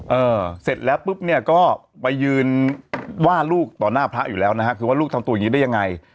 เออเสร็จแล้วปุ๊บเนี่ยก็ไปยืนว่าลูกต่อหน้าพระอยู่แล้วนะฮะคือว่าลูกทำตัวอย่างงี้ได้ยังไง